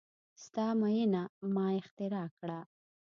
ستا میینه ما اختراع کړه